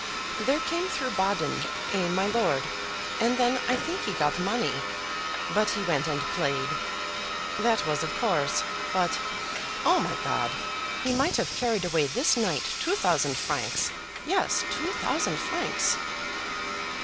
There came through Baden a my lord, and then, I think he got money. But he went and played. That was of course. But; oh my G ! he might have carried away this night two thousand francs; yes, two thousand francs!"